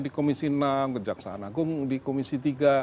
di komisi enam kejaksaan agung di komisi tiga